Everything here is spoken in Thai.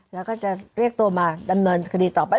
แล้วก็จะเรียกตัวมาดำเนินคดีต่อไป